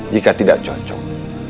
jika tidak cocok